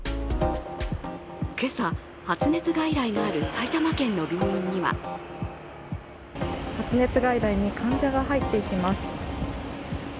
今朝、発熱外来がある埼玉県の病院には発熱外来に患者が入っていきます。